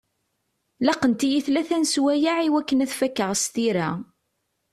Laqent-iyi tlata n sswayeɛ i wakken ad t-fakeɣ s tira.